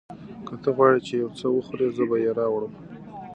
که ته غواړې چې یو څه وخورې، زه به یې راوړم.